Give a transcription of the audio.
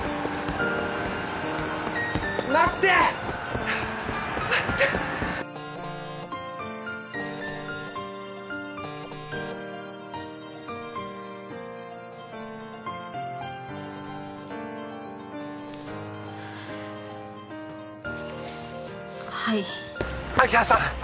待ってはい明葉さん